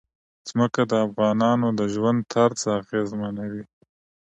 ځمکه د افغانانو د ژوند طرز اغېزمنوي.